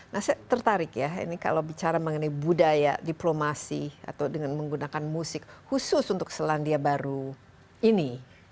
nah saya tertarik ya ini kalau bicara mengenai budaya diplomasi atau dengan menggunakan musik khusus untuk selandia baru ini